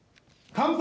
乾杯。